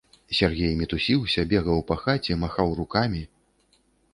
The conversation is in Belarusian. Сяргей мітусіўся, бегаў па хаце, махаў рукамі.